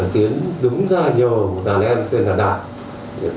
tiến đứng ra nhờ một đàn em tên là đạt